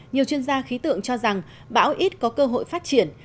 nhiều chuyên gia khí tượng cho rằng bão ít có cơ hội phát triển